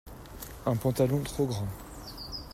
Un pantalon trop grand.